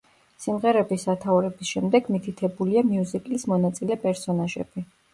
სიმღერების სათაურების შემდეგ მითითებულია მიუზიკლის მონაწილე პერსონაჟები.